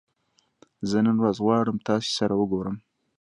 زه نن ورځ غواړم تاسې سره وګورم